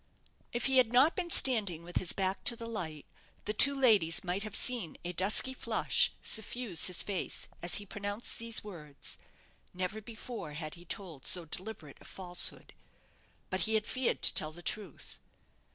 If he had not been standing with his back to the light, the two ladies might have seen a dusky flush suffuse his face as he pronounced these words. Never before had he told so deliberate a falsehood. But he had feared to tell the truth.